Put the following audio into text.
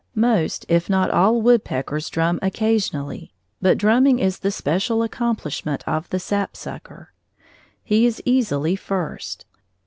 Most if not all woodpeckers drum occasionally, but drumming is the special accomplishment of the sapsucker. He is easily first.